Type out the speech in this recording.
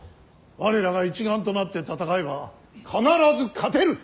我らが一丸となって戦えば必ず勝てる。